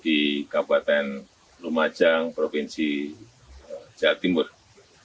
di kecamatan tempeh kabupaten lumajang provinsi jawa timur pada selasa pagi